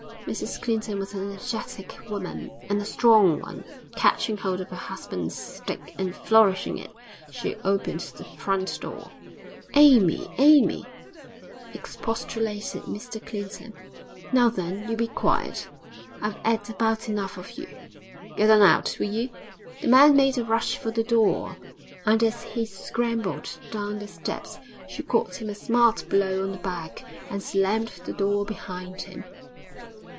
Mrs Clinton was an energetic woman, and a strong one. Catching hold of her husband's stick, and flourishing it, she opened the front door. 'Amy! Amy!' expostulated Mr Clinton. 'Now, then, you be quiet. I've 'ad about enough of you! Get on out, will you?' The man made a rush for the door, and as he scrambled down the steps she caught him a smart blow on the back, and slammed the door behind him.